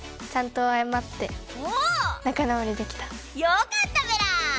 よかったメラ！